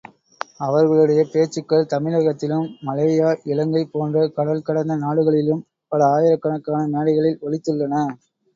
அவர்களுடைய பேச்சுக்கள் தமிழகத்திலும், மலேயா, இலங்கை போன்ற கடல் கடந்த நாடுகளிலும், பல ஆயிரக் கணக்கான மேடைகளில் ஒலித்துள்ளன.